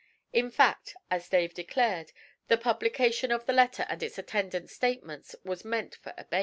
In fact, as Dave declared, 'the publication of the letter and its attendant statements was meant for a bait.'